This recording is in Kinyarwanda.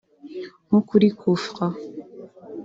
nko kuri Coup-Franc